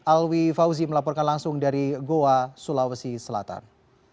alwi fauzi melaporkan langsung dari goa sulawesi selatan